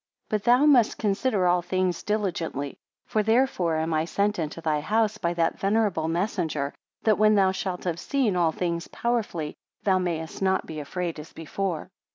But thou must consider all things diligently; for therefore am I sent into thy house by that venerable messenger, that when thou shalt have seen all things powerfully, thou mayest not be afraid as before.